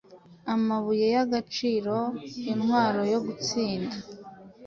amabuye yagaciro intwaro yo gutsinda